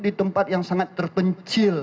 di tempat yang sangat terpencil